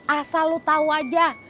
asal lu tau aja